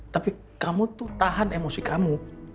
tapi kamu tuh tahan emosi kamu